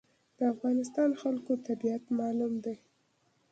د افغانستان خلکو طبیعت معلوم دی.